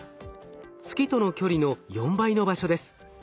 月との距離の４倍の場所です。